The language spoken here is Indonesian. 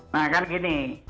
nah kan gini